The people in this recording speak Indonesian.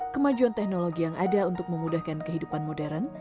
kemajuan teknologi yang ada untuk memudahkan kehidupan modern